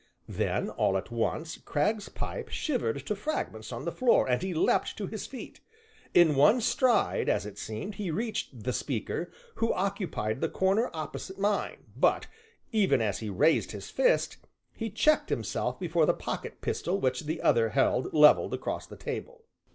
Then, all at once, Cragg's pipe shivered to fragments on the floor and he leapt to his feet. In one stride, as it seemed, he reached the speaker, who occupied the corner opposite mine, but, even as he raised his fist, he checked himself before the pocket pistol which the other held levelled across the table.